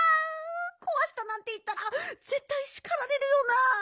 こわしたなんていったらぜったいしかられるよな。